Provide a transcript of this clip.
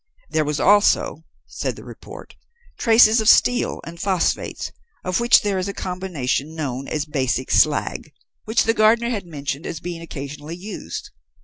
There was also, said the report, traces of steel and phosphates, of which there is a combination known as basic slag, which the gardener had mentioned as being occasionally used.